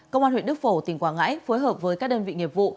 công an huyện đức phổ tỉnh quảng ngãi phối hợp với các đơn vị nghiệp vụ